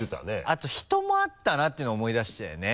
あと人もあったなっていうのを思い出したよね。